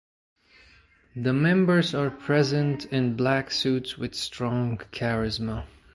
The members are present in black suits with strong charisma.